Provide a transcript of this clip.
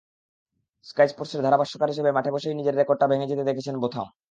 Sky স্পোর্টসের ধারাভাষ্যকার হিসেবে মাঠে বসেই নিজের রেকর্ডটা ভেঙে যেতে দেখেছেন বোথাম।